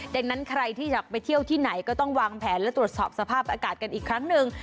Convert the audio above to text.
ดังนั้นใครที่จะไปเที่ยวที่ไหนก็ต้องวางแผนและตรวจสอบสภาพอากาศกันอีกครั้งหนึ่ง